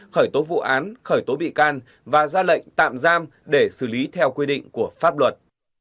khởi tố vụ án khởi tố bị can và ra lệnh tạm giam để xử lý theo quy định của pháp luật